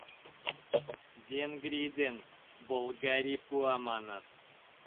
Венгрий ден Болгарий пуа, маныт.